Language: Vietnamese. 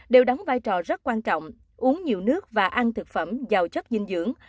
đều đóng vai trò rất quan trọng uống nhiều nước và ăn thực phẩm giàu chất dinh dưỡng